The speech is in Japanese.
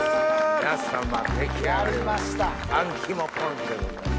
皆様出来上がりましたあん肝ポン酢でございます。